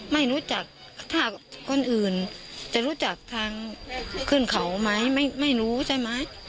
ไม่รู้จักถ้าคนอื่นจะรู้จักทางขึ้นเขาไหมไม่รู้ใช่ไหม